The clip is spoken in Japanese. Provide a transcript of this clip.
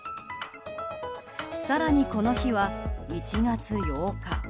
更に、この日は１月８日。